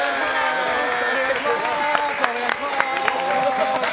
よろしくお願いします！